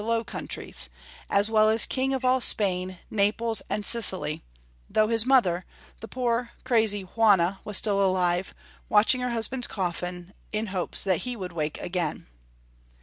Low Countries, as well as King of all Spain, Naples, and Sicily, though his mother, the poor, crazy Juana, was still alive, watching her husband's coffin, in hopes that he would wake again.